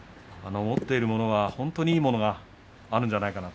持っているものは本当にいいものがあるんじゃないかと。